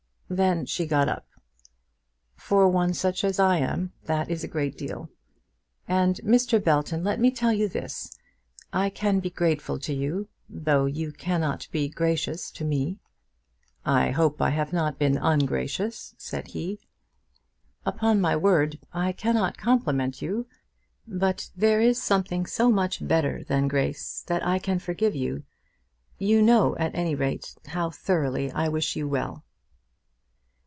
Then she got up. "For such a one as I am, that is a great deal. And, Mr. Belton, let me tell you this; I can be grateful to you, though you cannot be gracious to me." "I hope I have not been ungracious," said he. "Upon my word, I cannot compliment you. But there is something so much better than grace, that I can forgive you. You know, at any rate, how thoroughly I wish you well."